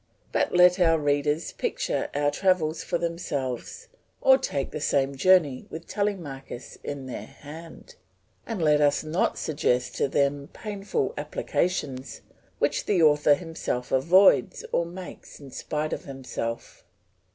But let our readers picture our travels for themselves, or take the same journeys with Telemachus in their hand; and let us not suggest to them painful applications which the author himself avoids or makes in spite of himself.